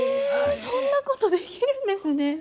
そんなことできるんですね。